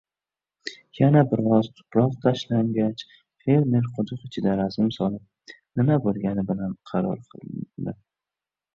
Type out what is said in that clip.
Yana biroz tuproq tashlangach, fermer quduq ichiga razm solib, nima boʻlganini bilishga qaror qildi.